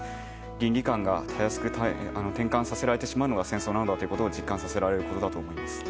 倫理観がたやすく転換させられるのが戦争なんだと実感させられることだと思います。